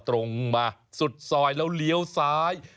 ตรงมาสุดซอยแล้วเลี้ยวซ้าย